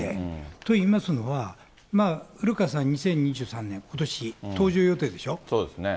といいますのは、古川さん、２０２３年、ことし、搭乗予定でしょ。